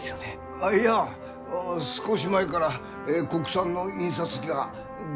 あっいや少し前から国産の印刷機が出てきたよ。